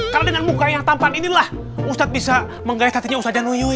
karena dengan muka yang tampan inilah ustadz bisa menggaya tatinya ustadz januyuy